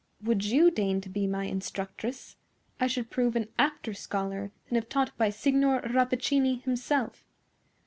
Would you deign to be my instructress, I should prove an apter scholar than if taught by Signor Rappaccini himself."